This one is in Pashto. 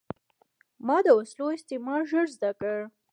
ما د وسلو استعمال ژر زده کړ.